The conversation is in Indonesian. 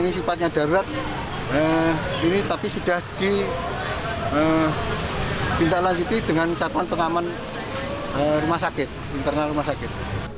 ini sifatnya darurat ini tapi sudah ditindaklanjuti dengan satuan pengaman rumah sakit internal rumah sakit